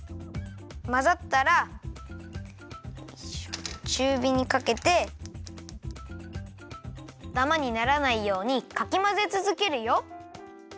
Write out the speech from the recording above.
まざったらちゅうびにかけてダマにならないようにかきまぜつづけるよ。